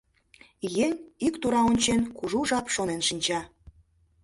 Еҥ, ик тура ончен, кужу жап шонен шинча.